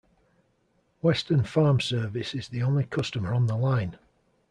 Western Farm Service is the only customer on the line.